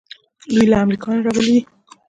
دوی له امریکا نه راغلي دي.